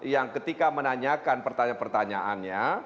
yang ketika menanyakan pertanyaan pertanyaannya